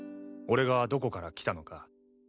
俺がどこから来たのか。